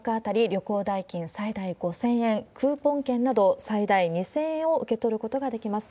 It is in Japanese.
旅行代金最大５０００円、クーポン券など、最大２０００円を受け取ることができます。